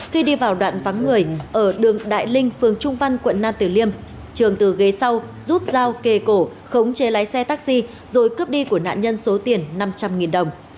khi đi vào đoạn vắng người ở đường đại linh phường trung văn quận nam tử liêm trường từ ghế sau rút dao kề cổ khống chế lái xe taxi rồi cướp đi của nạn nhân số tiền năm trăm linh đồng